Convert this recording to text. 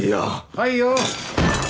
はいよ。